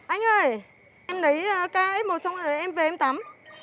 anh ơi em lấy kf một xong rồi em về em tắm